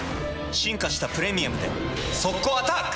進化した「プレミアム」で速攻アタック！